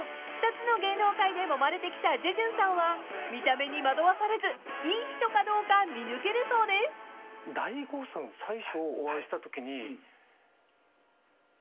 ［２つの芸能界でもまれてきたジェジュンさんは見た目に惑わされずいい人かどうか見抜けるそうです］と思ったんですよ。